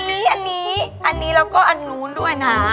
อันนี้อันนี้แล้วก็อันนู้นด้วยนะ